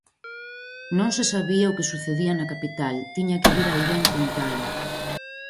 Non se sabía o que sucedía na capital, tiña que vir alguén contalo.